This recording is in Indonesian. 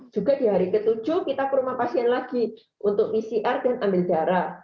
juga di hari ke tujuh kita ke rumah pasien lagi untuk pcr dan ambil darah